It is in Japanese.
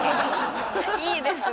いいですね。